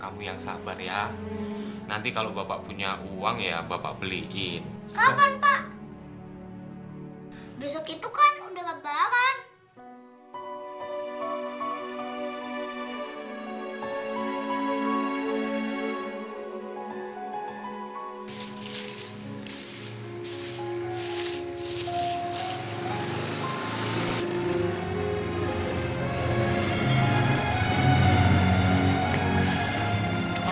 mereka mempunyai kataes patra